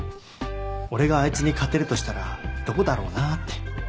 俺があいつに勝てるとしたらどこだろうなって。